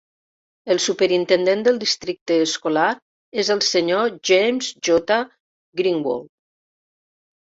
El superintendent del districte escolar és el senyor James J. Greenwald.